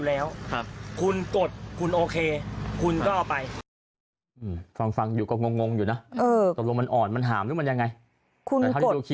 หามหามหามหามหามหามหามหรือมันยังไง